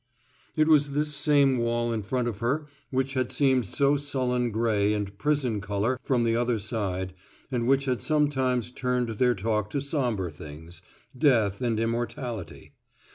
It was this same wall in front of her which had seemed so sullen gray and prison color from the other side and which had sometimes turned their talk to sombre things death and immortality.